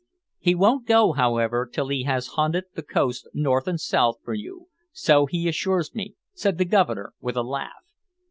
"He won't go, however, till he has hunted the coast north and south for you, so he assures me," said the Governor, with a laugh.